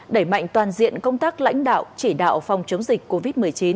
đẩy mạnh toàn diện công tác lãnh đạo chỉ đạo phòng chống dịch covid một mươi chín